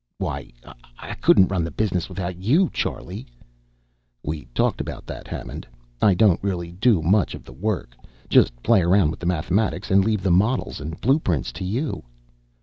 "Why, I couldn't run the business without you, Charlie!" "We talked about that, Hammond. I don't really do much of the work. Just play around with the mathematics, and leave the models and blueprints to you."